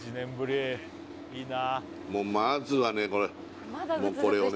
もうまずはねこれこれをね